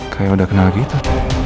kayak udah kenal gitu